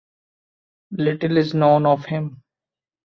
Little is known of him.